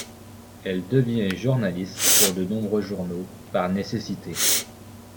Elle devient journaliste pour de nombreux journaux par nécessité.